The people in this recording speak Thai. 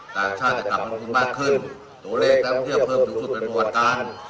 ต่างชาติจะกลับมากขึ้นโตเลเต็มเที่ยมเพิ่มถึงสุดเป็นประวัติการ